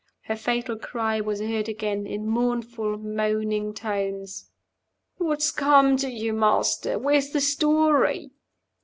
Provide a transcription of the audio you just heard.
Her fatal cry was heard again, in mournful, moaning tones "What's come to you, Master? Where's the story?"